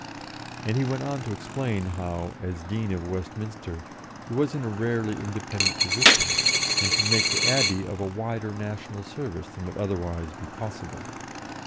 And he went on to explain how, as Dean of Westminster, he was in a rarely independent position, and could make the Abbey of a wider national service than would otherwise be possible.